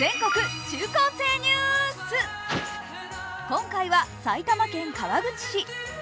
今回は、埼玉県川口市。